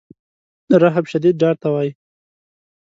رهب شدید ډار ته وایي.